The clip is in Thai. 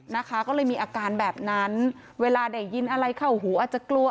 นะคะก็เลยมีอาการแบบนั้นเวลาได้ยินอะไรเข้าหูอาจจะกลัว